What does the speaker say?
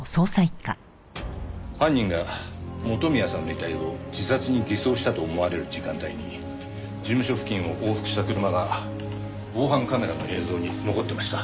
犯人が元宮さんの遺体を自殺に偽装したと思われる時間帯に事務所付近を往復した車が防犯カメラの映像に残ってました。